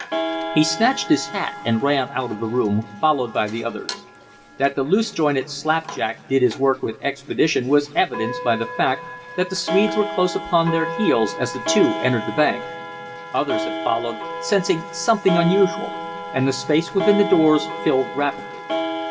He snatched his hat and ran out of the room, followed by the others. That the loose jointed Slapjack did his work with expedition was evidenced by the fact that the Swedes were close upon their heels as the two entered the bank. Others had followed, sensing something unusual, and the space within the doors filled rapidly.